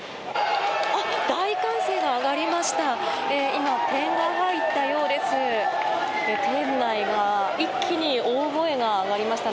大歓声が上がりました。